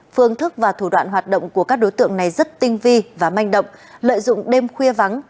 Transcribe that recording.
phương thức và thủ đoạn hoạt động của các đối tượng này rất tinh vi và manh động lợi dụng đêm khuya vắng